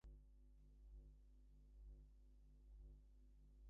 The Hey It's That Guy!